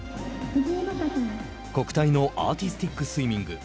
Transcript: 国体のアーティスティックスイミング。